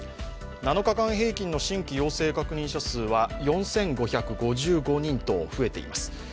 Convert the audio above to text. ７日間平均の新規陽性者確認者数は４５５５人と増えています。